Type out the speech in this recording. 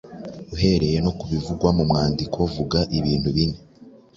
Uhereye no ku bivugwa mu mwandiko vuga ibintu bine